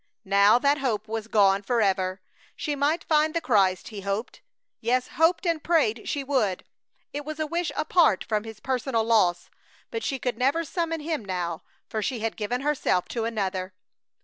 Now that hope was gone forever. She might find the Christ, he hoped yes, hoped and prayed she would! it was a wish apart from his personal loss, but she could never summon him now, for she had given herself to another!